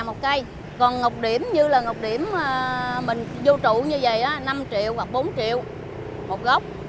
ba trăm linh một cây còn ngọc điểm như là ngọc điểm mình vô trụ như vậy năm triệu hoặc bốn triệu một gốc